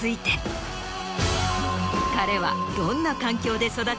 彼はどんな環境で育ち